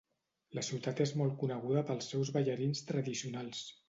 La ciutat és molt coneguda pels seus ballarins tradicionals.